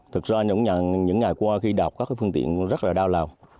thực ra những ngày qua khi đọc các cái phương tiện rất là đau lao